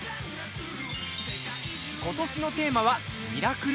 今年のテーマは「ミラクル★